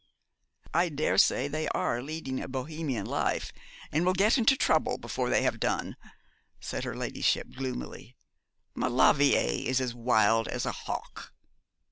'I daresay they are leading a Bohemian life, and will get into trouble before they have done,' said her ladyship, gloomily. 'Maulevrier is as wild as a hawk.'